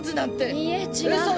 いいえ違う。